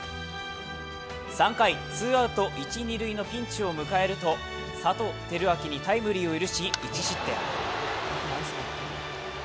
３回ツーアウト一・二塁のピンチを迎えると伊藤輝明にタイムリーを許し、１失点。